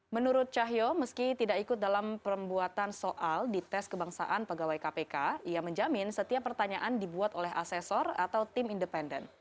menurut cahyo meski tidak ikut dalam pembuatan soal di tes kebangsaan pegawai kpk ia menjamin setiap pertanyaan dibuat oleh asesor atau tim independen